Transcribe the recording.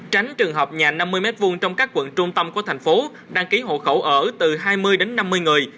tránh trường hợp nhà năm mươi m hai trong các quận trung tâm của thành phố đăng ký hộ khẩu ở từ hai mươi đến năm mươi người